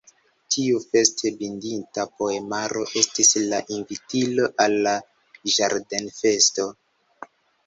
Tiu feste bindita poemaro estis la invitilo al la ĝardenfesto.